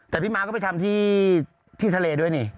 แต่พี่ม้าก็ไปทำที่ทะเลด้วยนี่